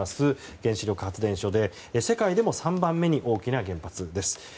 原子力発電所で世界でも３番目に大きな原発です。